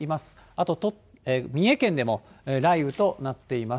あと三重県でも雷雨となっています。